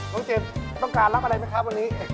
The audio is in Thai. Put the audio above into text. น้องเจฟต้องการอะไรไหมครับวันนี้